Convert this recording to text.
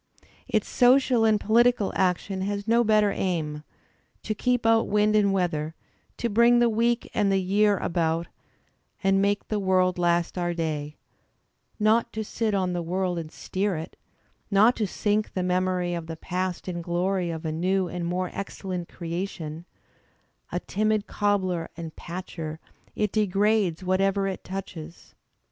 Its social and polit ical action has no better aim; to keep out wind and weather, to bring the week and the year about, and make the world last our day; not to sit on the world and steer it; not to sink the memory of the past in the glory of a new and more excel lent creation; a timid cobbler and patcher, it degrades what ever it touches.